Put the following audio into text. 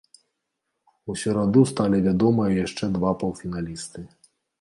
У сераду сталі вядомыя яшчэ два паўфіналісты.